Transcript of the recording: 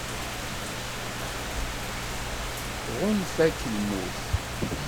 Tɣunfa-k lmut.